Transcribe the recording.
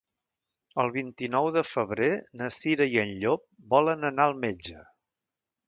El vint-i-nou de febrer na Cira i en Llop volen anar al metge.